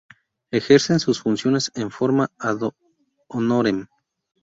Ejercen sus funciones en forma ad-honorem.